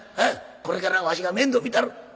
これからわしが面倒見たる。